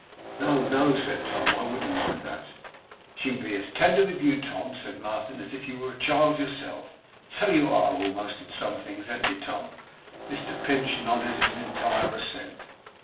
'No, no,' said Tom. 'I wouldn't mind that.' 'She would be as tender with you, Tom,' said Martin, 'as if you were a child yourself. So you are almost, in some things, an't you, Tom?' Mr Pinch nodded his entire assent.